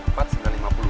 prima soal negara perang